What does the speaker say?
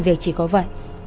sự việc chỉ có vậy